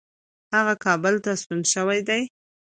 هغه کابل ته ستون شوی دی.